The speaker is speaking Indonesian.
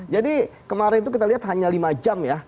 jadi kemarin itu kita lihat hanya lima jam ya